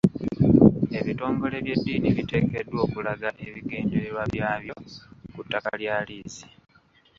Ebitongole by'eddiini biteekeddwa okulaga ebigendererwa byabyo ku ttaka lya liizi.